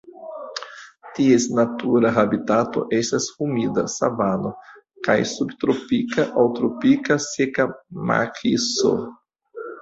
Ties natura habitato estas humida savano kaj subtropika aŭ tropika seka makiso.